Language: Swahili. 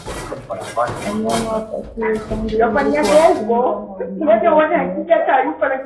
Wanyama wapatiwe chanjo ili kuwakinga na ugonjwa wa kimeta